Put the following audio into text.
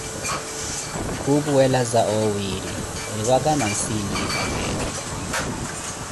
Khupuwelaza oowiiri eriwaka naasilesiye papa etthu.